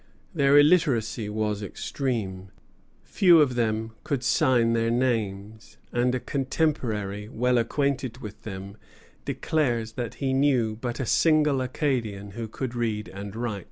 Their illiteracy was extreme. Few of them could sign their names, and a contemporary well acquainted with them declares that he knew but a single Acadian who could read and write.